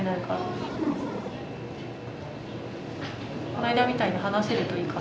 この間みたいに話せるといいかな。